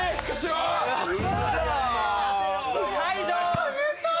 やったー！